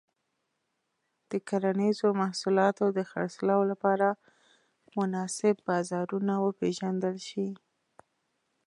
د کرنيزو محصولاتو د خرڅلاو لپاره مناسب بازارونه وپیژندل شي.